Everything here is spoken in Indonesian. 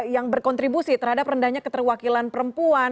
yang berkontribusi terhadap rendahnya keterwakilan perempuan